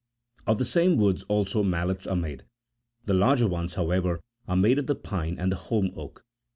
Of the same woods also mallets are made ; the larger ones, however, are made of the pine and the holm oak.